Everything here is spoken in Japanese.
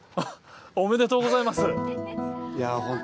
おめでとうございます！